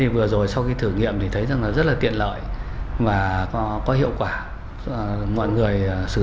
vừa rồi sau khi thử nghiệm thì thấy rằng là rất là tiện lợi và có hiệu quả mọi người sử dụng